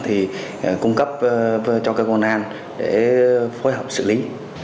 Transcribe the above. thì cung cấp cho các ngôn an để phối hợp xử lý